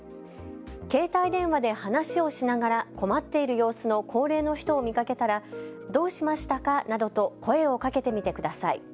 携帯電話で話をしながら困っている様子の高齢の人を見かけたら、どうしましたかなどと声をかけてみてください。